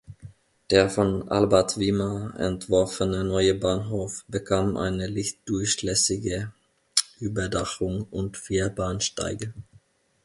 Der von Albert Wimmer entworfene neue Bahnhof bekam eine lichtdurchlässige Überdachung und vier Bahnsteige.